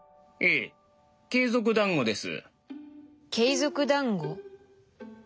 エ継続だんごです」。